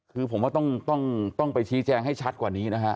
คือผมว่าต้องไปชี้แจงให้ชัดกว่านี้นะฮะ